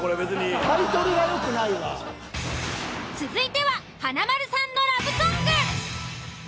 続いては華丸さんのラブソング。